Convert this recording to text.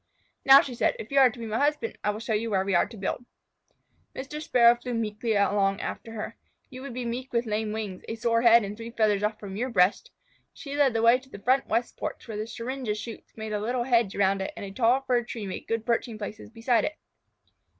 "Now," she said, "if you are to be my husband, I will show you where we are to build." Mr. Sparrow flew meekly along after her. You would be meek with lame wings, a sore head, and three feathers off from your breast. She led the way to the front west porch, where the syringa shoots made a little hedge around it and a tall fir tree made good perching places beside it.